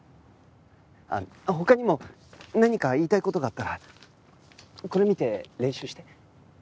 あっ他にも何か言いたい事があったらこれ見て練習して。